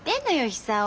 久男。